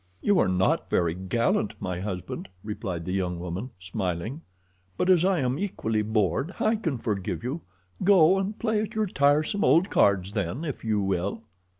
"You are not very gallant, my husband," replied the young woman, smiling, "but as I am equally bored I can forgive you. Go and play at your tiresome old cards, then, if you will."